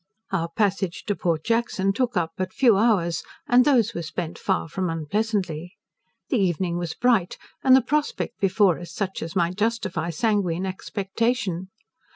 Our passage to Port Jackson took up but few hours, and those were spent far from unpleasantly. The evening was bright, and the prospect before us such as might justify sanguine expectation.